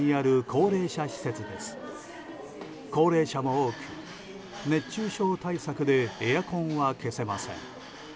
高齢者も多く、熱中症対策でエアコンは消せません。